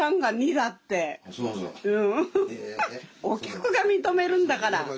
お客が認めるんだから。